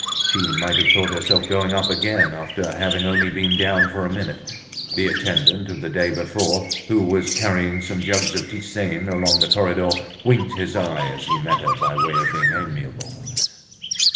She might have thought herself going up again after having only been down for a minute. The attendant of the day before, who was carrying some jugs of tisane along the corridor, winked his eye as he met her, by way of being amiable.